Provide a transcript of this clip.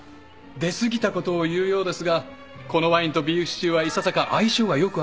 出過ぎたことを言うようですがこのワインとビーフシチューはいささか相性が良くありません。